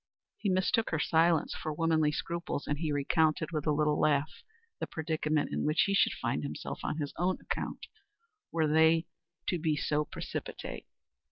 He mistook her silence for womanly scruples, and he recounted with a little laugh the predicament in which he should find himself on his own account were they to be so precipitate.